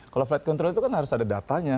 kalau flight control itu kan harus ada datanya